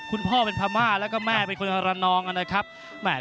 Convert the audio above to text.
คุณพ่อเป็นพาม่าและแม่เป็นคนทรน